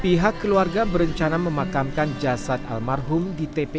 pihak keluarga berencana memakamkan jasad almarhum di tpu